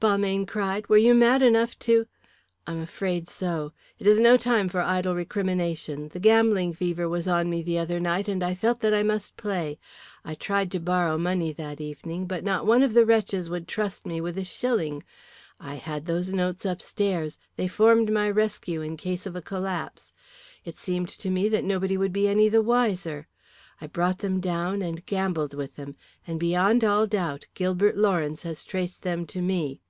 Balmayne cried, "were you mad enough to ." "I am afraid so. It is no time for idle recrimination. The gambling fever was on me the other night and I felt that I must play. I tried to borrow money that evening, but not one of the wretches would trust me with a shilling. I had those notes upstairs; they formed my rescue in case of a collapse. It seemed to me that nobody would be any the wiser. I brought them down, and gambled with them. And beyond all doubt, Gilbert Lawrence has traced them to me."